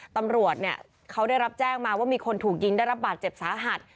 ตำรวจเนี่ยเขาได้รับแจ้งมาว่ามีคนถูกยิงได้รับบาดเจ็บสาหัส